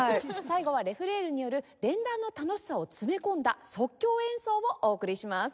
最後はレ・フレールによる連弾の楽しさを詰め込んだ即興演奏をお送りします。